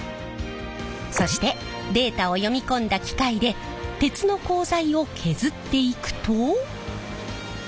そしてデータを読み込んだ機械で鉄の鋼材を削っていくと。